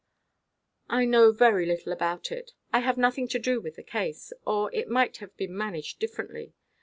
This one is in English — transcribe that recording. "I know very little about it. I have nothing to do with the case; or it might have been managed differently.